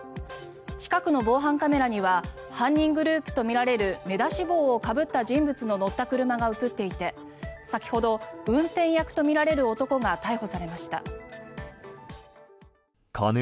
近くの防犯カメラには犯人グループとみられる目出し帽をかぶった人物の乗った車が映っていて先ほど運転役とみられる男が逮捕されました。